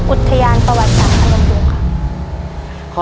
อุทยานประวัติศาสตร์พนมรุงครับ